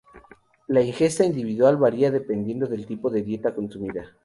La ingesta individual varía dependiendo del tipo de dieta consumida.